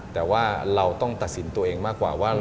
แต่ว่าเราต้องตัดสินตัวเองมากกว่าว่า